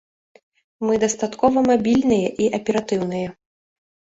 Мы дастаткова мабільныя і аператыўныя.